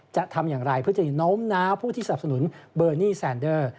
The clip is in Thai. จะทำอย่างไรเพื่อจะโน้มน้าวผู้ที่สนับสนุนเบอร์นี่แซนเดอร์